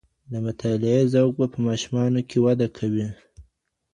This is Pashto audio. د مطالعې ذوق به په ماشومانو کي وده کوي.